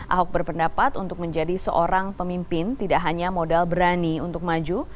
ahok berpendapat untuk menjadi seorang pemimpin tidak hanya modal berani untuk maju